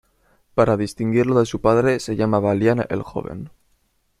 Para distinguirlo de su padre se le llama Balián el Joven.